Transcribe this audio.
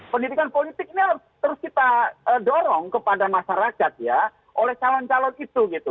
pendidikan politik ini harus terus kita dorong kepada masyarakat ya oleh calon calon itu gitu